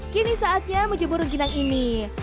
kini saatnya menjemur rengginang ini